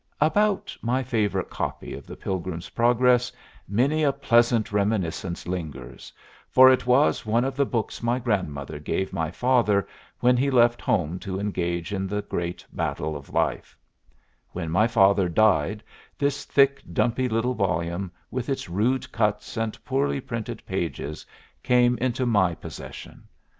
About my favorite copy of the "Pilgrim's Progress" many a pleasant reminiscence lingers, for it was one of the books my grandmother gave my father when he left home to engage in the great battle of life; when my father died this thick, dumpy little volume, with its rude cuts and poorly printed pages, came into my possession.